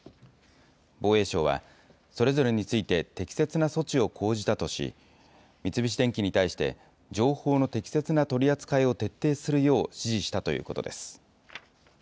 防衛省は、それぞれについて適切な措置を講じたとし、三菱電機に対して情報の適切な取り扱いを徹底するよう指示したということです。